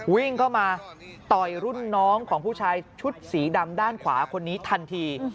วิ่งเข้ามาต่อยรุ่นน้องของผู้ชายชุดสีดำด้านขวาคนนี้ทันที